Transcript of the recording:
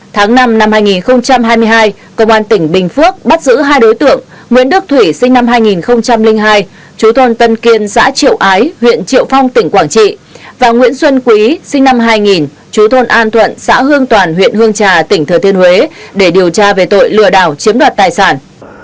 tháng năm năm hai nghìn hai mươi hai công an tỉnh bình phước bắt giữ hai đối tượng nguyễn đức thủy sinh năm hai nghìn hai chú thôn tân kiên xã triệu ái huyện triệu phong tỉnh quảng trị và nguyễn xuân quý sinh năm hai nghìn chú thôn an thuận xã hương toàn huyện hương trà tỉnh thừa thiên huế để điều tra về tội lừa đảo chiếm đoạt tài sản